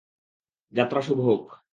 যাত্রা শুভ হোক।